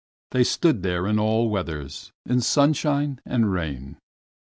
They stood there in all weathers, in sunshine and in rain.